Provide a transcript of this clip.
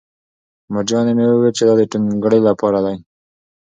مورجانې مې وویل چې دا د ټونګرې لپاره دی